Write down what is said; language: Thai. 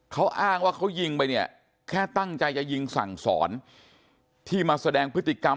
เขาอ้างว่าเขายิงไปเนี่ยแค่ตั้งใจจะยิงสั่งสอนที่มาแสดงพฤติกรรม